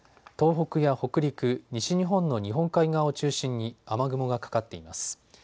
東北や北陸、西日本の日本海側を中心に雨雲がかかっています。